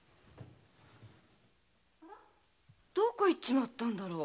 どこへ行っちまったんだろう？